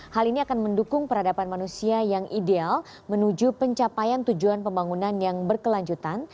hal ini akan mendukung peradaban manusia yang ideal menuju pencapaian tujuan pembangunan yang berkelanjutan